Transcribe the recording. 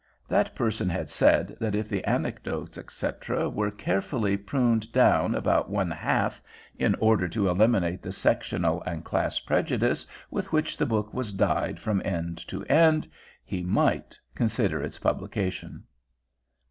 That person had said that if the anecdotes, etc., were carefully pruned down about one half, in order to eliminate the sectional and class prejudice with which the book was dyed from end to end, he might consider its publication.